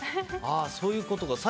そういうことか。